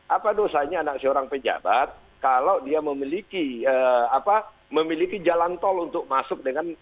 apa dosanya anak seorang pejabat kalau dia memiliki apa memiliki jalan tol untuk masuk dengan